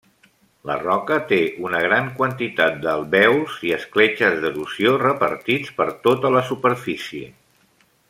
La roca té una gran quantitat d'alvèols i escletxes d'erosió repartits per tota la superfície.